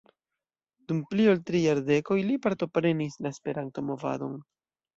Dum pli ol tri jardekoj li partoprenis la Esperanto-movadon.